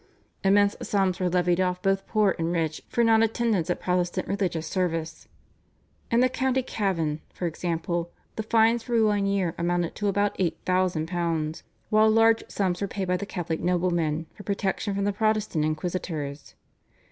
Immense sums were levied off both poor and rich for non attendance at Protestant religious service. In the County Cavan, for example, the fines for one year amounted to about £8,000, while large sums were paid by the Catholic noblemen for protection from the Protestant inquisitors.